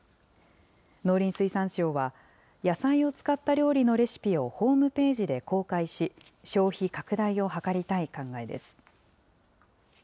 農林水産省は、野菜を使った料理のレシピをホームページで公開し、消費拡大を図りたい考えです。